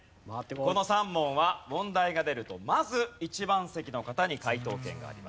この３問は問題が出るとまず１番席の方に解答権があります。